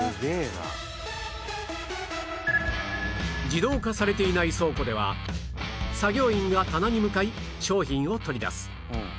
自動化されていない倉庫では作業員が棚に向かい商品を取り出す